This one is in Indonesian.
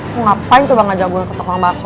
lo ngapain coba ngajak gue ketuk orang bakso